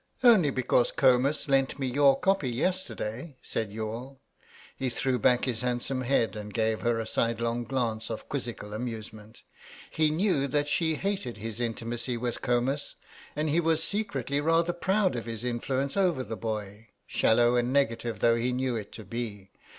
"Only because Comus lent me your copy yesterday," said Youghal. He threw back his handsome head and gave her a sidelong glance of quizzical amusement. He knew that she hated his intimacy with Comus, and he was secretly rather proud of his influence over the boy, shallow and negative though he knew it to be.